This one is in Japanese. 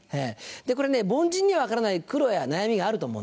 これね凡人には分からない苦労や悩みがあると思うんですよ。